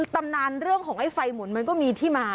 ตำนานเรื่องของไอ้ไฟหมุนมันก็มีที่มา